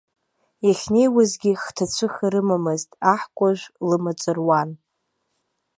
Иахьнеиуазгьы хҭацәыха рымамызт, аҳкәажә лымаҵ руан.